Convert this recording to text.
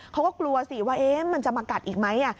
เขาก็กลัวสิว่ามันจะมากัดอีกไหม